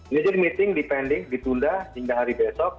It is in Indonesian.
nature meeting dipending ditunda hingga hari besok